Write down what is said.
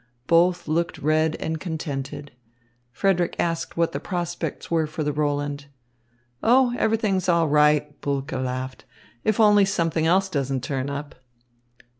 Both looked red and contented. Frederick asked what the prospects were for the Roland. "Oh, everything's all right," Bulke laughed, "if only something else doesn't turn up."